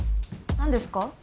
何ですか？